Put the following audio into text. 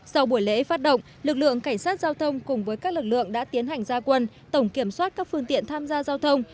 sau buổi lễ phát động lực lượng cảnh sát giao thông cùng với các lực lượng đã tiến hành gia quân tổng kiểm soát các phương tiện tham gia giao thông